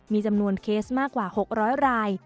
มีจำนวนเคสมากกว่า๖๐๐ราย